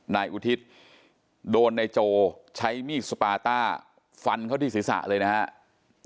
นายอุทิศโดนนายโจใช้มีดสปาต้าฟันเขาที่ศีรษะเลยนะครับ